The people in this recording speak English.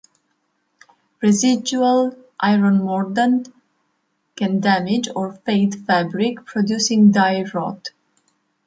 Residual iron mordant can damage or fade fabric, producing "dye rot".